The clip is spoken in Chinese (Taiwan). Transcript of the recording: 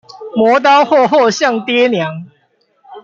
磨刀霍霍向爹娘